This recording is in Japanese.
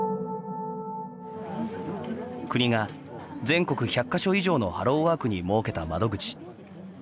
国が全国１００か所以上のハローワークに設けた窓口。